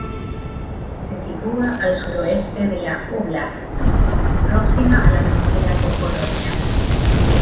Se sitúa al suroeste de la óblast, próxima a la frontera con Polonia.